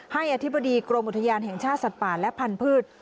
อธิบดีกรมอุทยานแห่งชาติสัตว์ป่าและพันธุ์